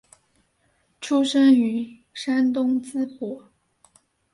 出生于山东淄博。